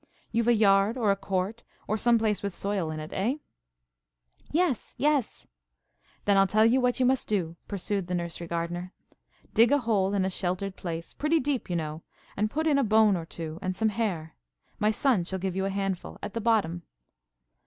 You've a yard or a court, or some place with soil in it, eh?" "Yes, yes," cried Hans. "Then I'll tell you what you must do," pursued the nursery gardener. "Dig a hole in a sheltered place, pretty deep, you know, and put in a bone or two, and some hair (my son shall give you a handful) at the bottom.